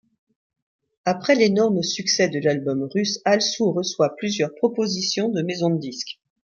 Après l'énorme succès de l'album russe, Alsou reçoit plusieurs proposition de maisons de disques.